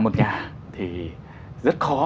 một nhà thì rất khó